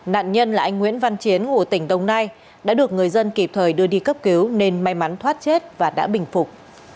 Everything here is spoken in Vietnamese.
nạn nhân là anh nguyễn văn chiến ngụ tỉnh đồng nai đã được người dân kịp thời đưa đi cấp cứu nên may mắn thoát chết và đã bình phục